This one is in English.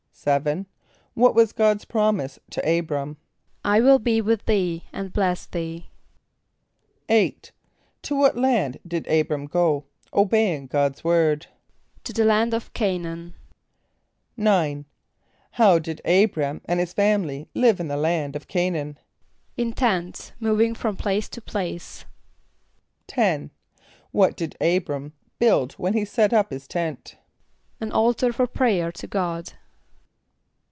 = =7.= What was God's promise to [=A]´br[)a]m? ="I will be with thee and bless thee."= =8.= To what land did [=A]´br[)a]m go, obeying God's word? =To the land of C[=a]´n[)a]an.= =9.= How did [=A]´br[)a]m and his family live in the land of C[=a]´n[)a]an? =In tents, moving from place to place.= =10.= What did [=A]´br[)a]m build whenever he set up his tent? =An altar for prayer to God.